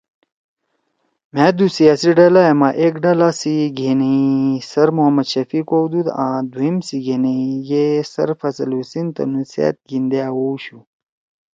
مھأ دُو سیاسی ڈلا ئے ما ایک ڈلا سی گھینیئی سر محمد شفیع کؤدُود آں دُھوئم سی گھینیئی گے سر فضل حسین تنُو سأت گھیِندے آوؤشُو